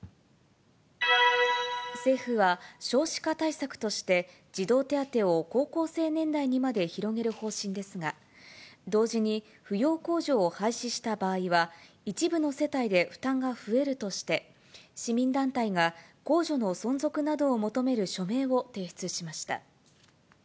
政府は少子化対策として、児童手当を高校生年代にまで広げる方針ですが、同時に扶養控除を廃止した場合は、一部の世帯で負担が増えるとして、市民団体が控除の存続などを求める署名を提出しました。